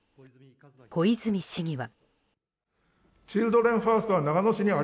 小泉市議は。